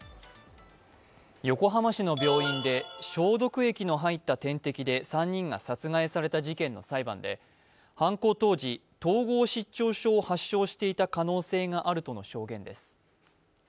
横浜市の病院で消毒液の入った点滴で３人が殺害された事件の裁判で犯行当時統合失調症を発症していた可能性があるとの証言です。